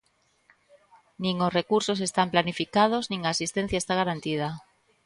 Nin os recursos están planificados, nin a asistencia está garantida.